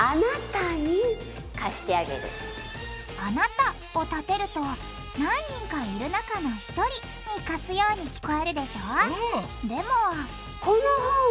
「あなた」をたてると何人かいる中の１人に貸すように聞こえるでしょうん！